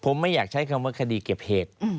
ผมไม่อยากใช้คำว่าคดีเก็บเหตุ